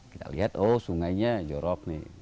kita lihat oh sungainya jorok nih